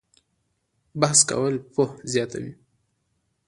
بحث کول پوهه زیاتوي؟